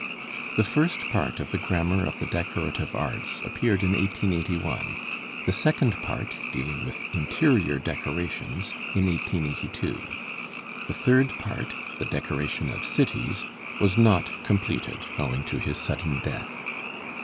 The first part of the 'Grammar of the Decorative Arts' appeared in 1881; the second part, dealing with interior decorations, in 1882. The third part, 'The Decoration of Cities,' was not completed, owing to his sudden death.